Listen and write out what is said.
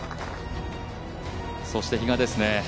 そして比嘉ですね。